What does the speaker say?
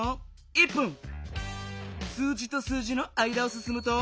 数字と数字の間をすすむと。